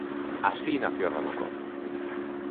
Así nació RoboCop.